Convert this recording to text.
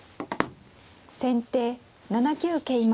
先手７九桂馬。